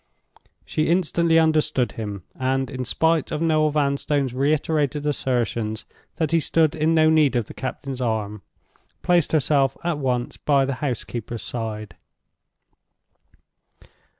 She instantly understood him; and, in spite of Noel Vanstone's reiterated assertions that he stood in no need of the captain's arm, placed herself at once by the housekeeper's side.